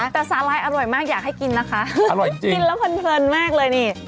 แต่สาลายอร่อยมากอยากให้กินนะคะอร่อยจริงกินแล้วเพลินมากเลยนี่